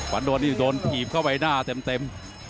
ฝ่านโดมนะครับนี่โดนถีบเข้าไปหน้าเต็ม